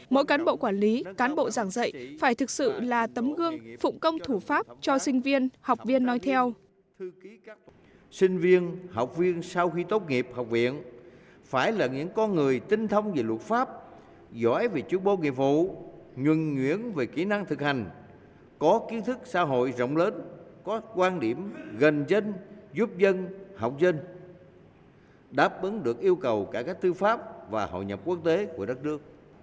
mỗi cán bộ quản lý cán bộ giảng dạy phải thực sự là tấm gương phụng công thủ pháp cho sinh viên học viên nói theo